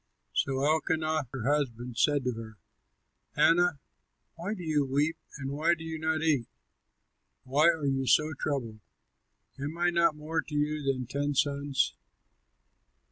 So Elkanah her husband said to her, "Hannah, why do you weep and why do you not eat? Why are you so troubled? Am I not more to you than ten sons?"